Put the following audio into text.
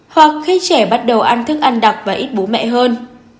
hoặc khi trẻ bắt đầu ăn thức ăn đặc và ít bú mẹ hơn